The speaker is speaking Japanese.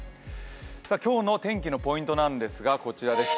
今日の天気のポイントなんですが、こちらです。